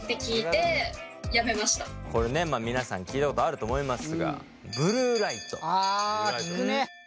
これね皆さん聞いたことあると思いますがあ聞くね。